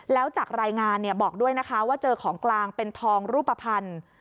แล้วจากรายงานบอกด้วยนะคะว่าเจอของกลางเป็นทองรูปภัณฑ์